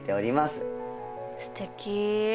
すてき。